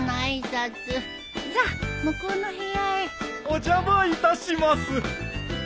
お邪魔いたします。